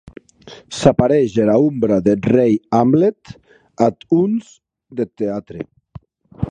S’apareish era ombra deth rei Hamlet ath hons deth teatre.